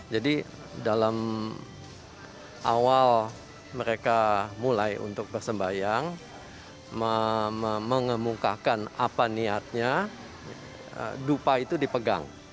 jadi dalam awal mereka mulai untuk bersembayang mengemukakan apa niatnya dupa itu dipegang